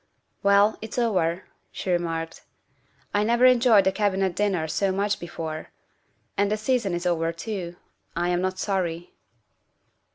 " Well, it's over," she remarked. " I never enjoyed a Cabinet dinner so much before. And the season is over too. I am not sorry.